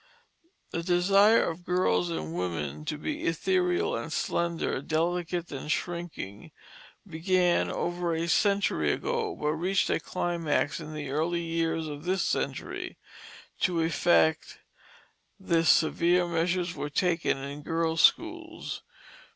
The desire of girls and women to be ethereal and slender, delicate and shrinking, began over a century ago, but reached a climax in the early years of this century. To effect this, severe measures were taken in girls' schools.